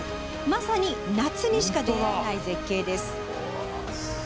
まさに夏にしか出会えない絶景です。